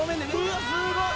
うわっすごい！